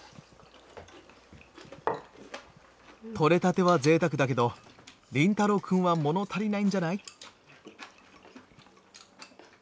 取れたてはぜいたくだけど凛太郎くんはもの足りないんじゃない？